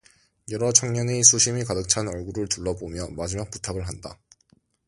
여러 청년의 수심이 가득 찬 얼굴을 둘러보며 마지막 부탁을 한다.